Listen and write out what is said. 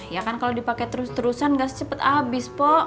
ya kan kalau dipakai terus terusan gas cepet abis pok